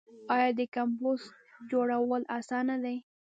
آیا د کمپوسټ جوړول اسانه دي؟